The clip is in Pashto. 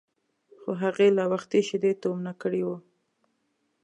خو هغې لا وختي شیدې تومنه کړي وو.